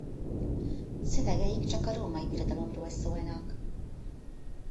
Szövegeik csak a Római Birodalomról szólnak.